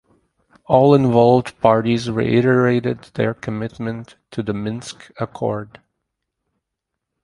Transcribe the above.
All involved parties reiterated their commitment to the Minsk Accord.